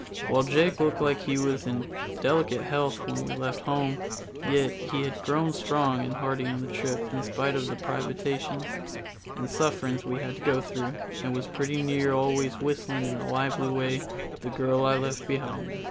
While Jake looked like he was in delicate health when we left home, yet he had grown strong and hearty on the trip in spite of the privations and sufferings we had to go through, and was pretty near always whistling in a lively way "The Girl I Left Behind Me."